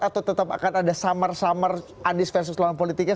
atau tetap akan ada summer summer anies versus lawan politiknya